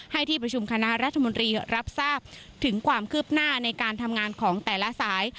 ที่ประชุมคณะรัฐมนตรีรับทราบถึงความคืบหน้าในการทำงานของแต่ละสาย